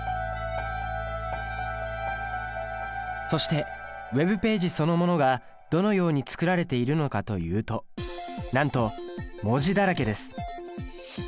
そしてＷｅｂページそのものがどのように作られているのかというとなんと文字だらけです！